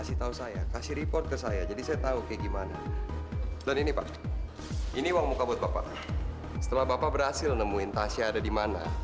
sampai jumpa di video selanjutnya